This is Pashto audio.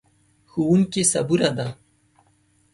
ښوونکې صبوره ده.